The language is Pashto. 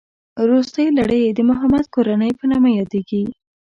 روستۍ لړۍ یې د محمد کورنۍ په نامه یادېږي.